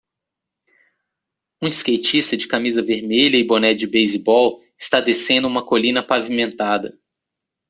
Um skatista de camisa vermelha e boné de beisebol está descendo uma colina pavimentada.